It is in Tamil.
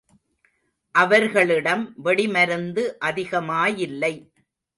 அவர்களிடம் வெடிமருந்து அதிகமாயில்லை.